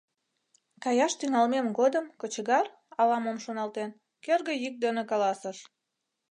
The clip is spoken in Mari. Каяш тӱҥалмем годым кочегар, ала-мом шоналтен, кӧргӧ йӱк дене каласыш: